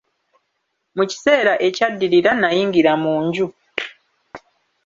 Mu kiseera ekyaddirira n'ayingira mu nju.